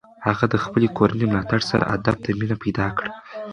هغې د خپلې کورنۍ له ملاتړ سره ادب ته مینه پیدا کړه.